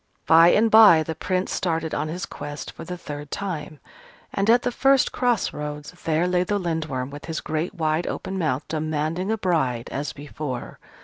By and by the Prince started on his quest for the third time: and at the first cross roads there lay the Lindworm with his great wide open mouth, demanding a bride as before.